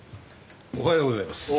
おはようございます。